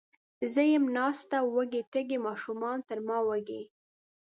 زه یم ناسته وږې، تږې، ماشومانې تر ما وږي